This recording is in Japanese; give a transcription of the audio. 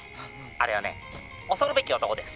あれはね恐るべき男です」。